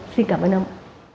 xin cảm ơn ông